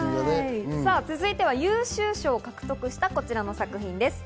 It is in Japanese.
続いては優秀賞を獲得したこちらです。